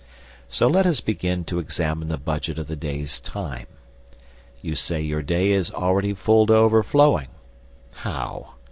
So let us begin to examine the budget of the day's time. You say your day is already full to overflowing. How?